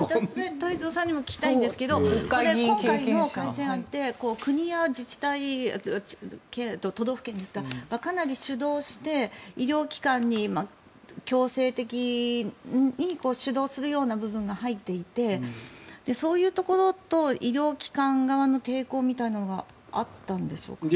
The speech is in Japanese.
太蔵さんにも聞きたいんですけど今回の改正案って国や自治体、都道府県がかなり主導して医療機関に強制的に指導するような部分が入っていてそういうところと医療機関側の抵抗みたいなのがあったんでしょうか？